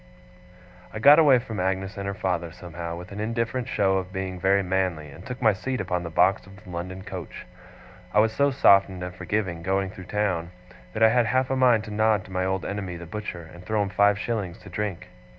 I got away from Agnes and her father, somehow, with an indifferent show of being very manly, and took my seat upon the box of the London coach. I was so softened and forgiving, going through the town, that I had half a mind to nod to my old enemy the butcher, and throw him five shillings to drink.